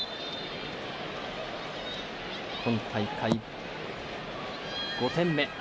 今大会、５点目。